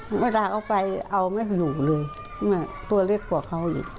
เมื่อก่อนเขาไปเอาไม่อยู่เลยตัวเล็กปลอกเขาอีก